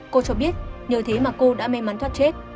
cô cho biết nhờ thế mà cô đã may mắn thoát chết